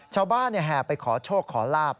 ชาวบ้านแห่ไปขอโชคขอลาบ